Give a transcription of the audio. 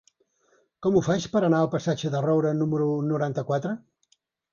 Com ho faig per anar al passatge de Roura número noranta-quatre?